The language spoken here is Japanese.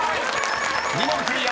［２問クリア！